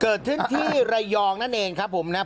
เกิดขึ้นที่ระยองนั่นเองครับผมนะครับ